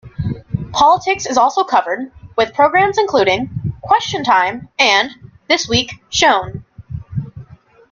Politics is also covered, with programmes including "Question Time" and "This Week" shown.